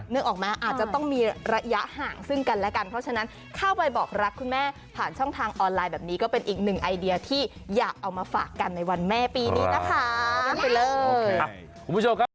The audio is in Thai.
นึกออกไหมอาจจะต้องมีระยะห่างซึ่งกันและกันเพราะฉะนั้นเข้าไปบอกรักคุณแม่ผ่านช่องทางออนไลน์แบบนี้ก็เป็นอีกหนึ่งไอเดียที่อยากเอามาฝากกันในวันแม่ปีนี้นะคะ